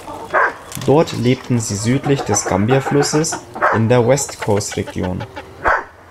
Dort leben sie südlich des Gambia-Flusses in der West Coast Region.